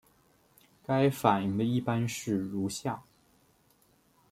该反应的一般式如下。